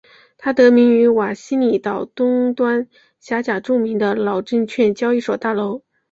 它得名于瓦西里岛东端岬角著名的老证券交易所大楼。